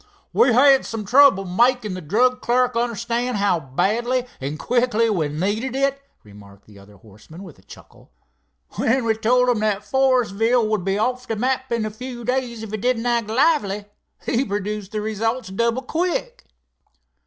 "We had some trouble making the drug clerk understand how badly and quickly we needed it," remarked the other horseman, with a chuckle. "When we told him that Forestville would be off the map in a few days if he didn't act lively, he produced results double quick."